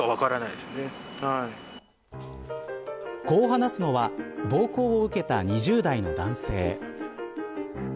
こう話すのは暴行を受けた２０代の男性。